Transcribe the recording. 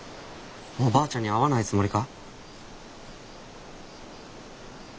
もうばあちゃんに会わないつもりか？